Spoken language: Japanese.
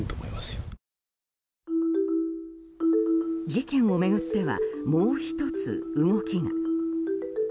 事件を巡ってはもう１つ動きが。